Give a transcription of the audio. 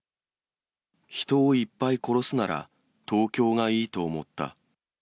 人をいっぱい殺すなら、東京がいいと思った。